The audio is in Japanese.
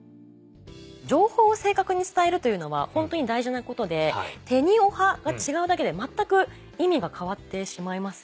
情報を正確に伝えるというのはホントに大事なことで「てにをは」が違うだけで全く意味が変わってしまいますよね。